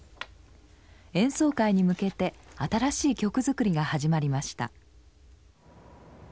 演奏会に向けて新しい曲作りが始まりました。